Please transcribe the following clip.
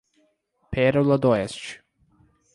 Pérola d'Oeste